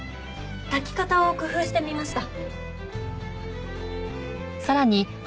炊き方を工夫してみました。